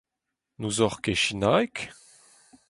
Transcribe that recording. N’ouzoc’h ket sinaeg ?